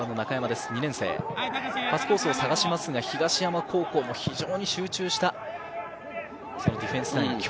パスコースを探しますが、東山高校も非常に集中したディフェンスライン。